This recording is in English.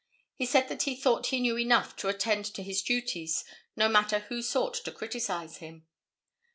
He said that he thought he knew enough to attend to his duties no matter who sought to criticise him.